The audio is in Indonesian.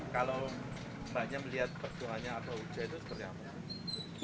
kalau mbaknya melihat perjuangannya atau hujan itu seperti apa